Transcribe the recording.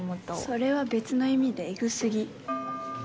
それは別の意味でエグ過ぎ。